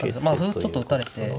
まあ歩ちょっと打たれて。